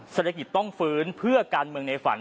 ศัตริกิตต้องฝืนเพื่อการเมินในฝัน